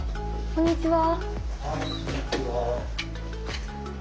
こんにちは。